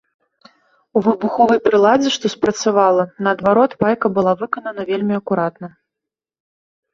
У выбуховай прыладзе, што спрацавала, наадварот, пайка была выканана вельмі акуратна.